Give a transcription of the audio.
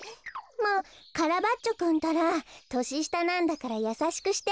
もうカラバッチョくんったら。とししたなんだからやさしくしてあげなきゃ。